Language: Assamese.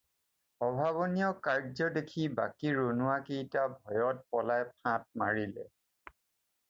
অভাৱনীয় কাৰ্য্য দেখি বাকী ৰণুৱা কেটা ভয়ত পলাই ফাঁট মাৰিলে।